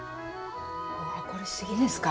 わこれ杉ですか？